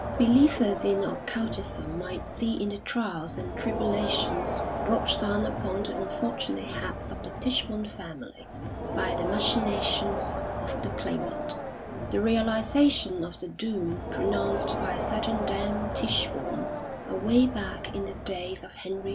Believers in occultism might see in the trials and tribulations brought down upon the unfortunate heads of the Tichborne family by the machinations of the Claimant, the realisation of the doom pronounced by a certain Dame Ticheborne away back in the days of Henry II.